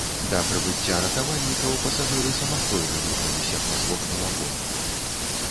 Да прыбыцця ратавальнікаў, пасажыры самастойна выбіраліся праз вокны вагонаў.